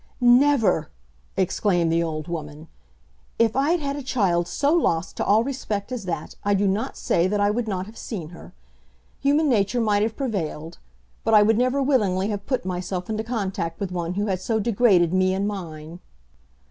"Never!" exclaimed the old woman. "If I had had a child so lost to all respect as that, I do not say that I would not have seen her. Human nature might have prevailed. But I would never willingly have put myself into contact with one who had so degraded me and mine."